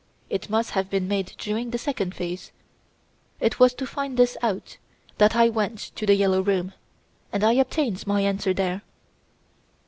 It must have been made during the second phase. It was to find this out that I went to "The Yellow Room", and I obtained my answer there."